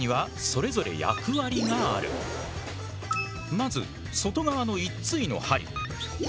まず外側の１対の針。